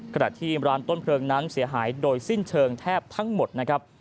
ขณะที่ร้านต้นเพลิงนั้นเสียหายโดยสิ้นเชิงแทบทั้งหมดนะครับ